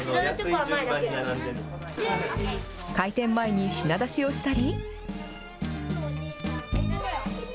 開店前に品出しをしたり。